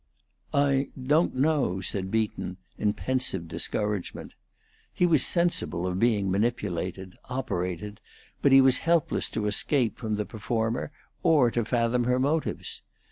"I don't know," said Beaton, in pensive discouragement. He was sensible of being manipulated, operated, but he was helpless to escape from the performer or to fathom her motives.